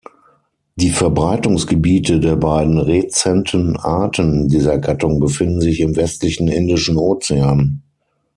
Die Verbreitungsgebiete der beiden rezenten Arten dieser Gattung befinden sich im westlichen Indischen Ozean.